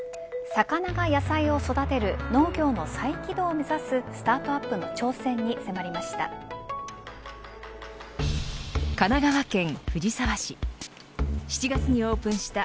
魚が野菜を育てる農業の再起動を目指すスタートアップの挑戦に迫りました。